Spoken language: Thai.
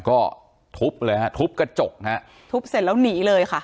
ก็ทุบเลยฮะทุบกระจกฮะทุบเสร็จแล้วหนีเลยค่ะ